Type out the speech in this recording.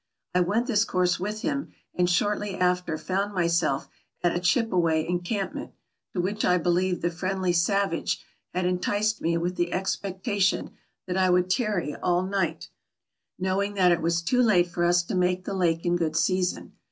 I went this course with him, and shortly after found myself at a Chipeway encampment, to which I believed the friendly savage had enticed me with the expectation that I would tarry all night, knowing that it was too late for us to make the lake in good season.